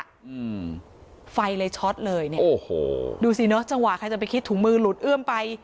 อืมไฟเลยช็อตเลยเนี้ยโอ้โหดูสิเนอะจังหวะใครจะไปคิดถุงมือหลุดเอื้อมไป